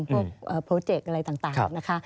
พวกโปรเจกต์อะไรต่างนะคะ